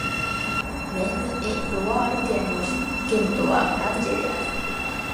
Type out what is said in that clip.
メーヌ＝エ＝ロワール県の県都はアンジェである